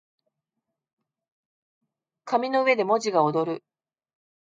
紙の上で文字が躍る